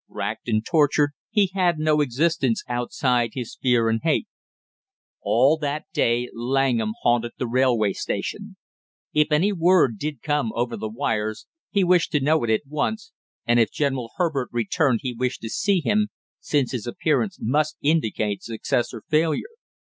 Racked and tortured, he had no existence outside his fear and hate. All that day Langham haunted the railway station. If any word did come over the wires, he wished to know it at once, and if General Herbert returned he wished to see him, since his appearance must indicate success or failure.